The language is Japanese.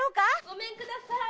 ・ごめんください！